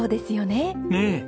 ねえ。